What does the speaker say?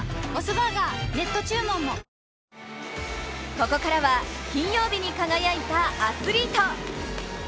ここからは金曜日に輝いたアスリート。